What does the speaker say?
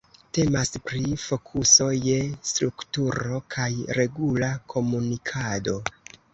Temas pri fokuso je strukturo kaj regula komunikado.